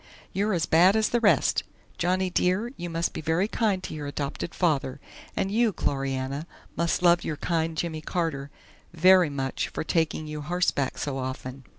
youre as bad as the rest. Johnny Dear, you must be very kind to your attopted father, and you, Glory Anna, must lov your kind Jimmy Carter verry mutch for taking you hossback so offen.